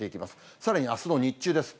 さらにあすの日中です。